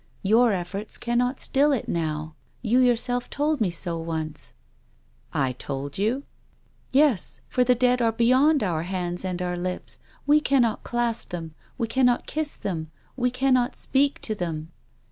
Your efforts cannot still it now. You yourself told me so once." " I told you?" " Yes — for the dead are beyond our hands and our lips. We cannot clasp them. We cannot kiss them. We cannot speak to them."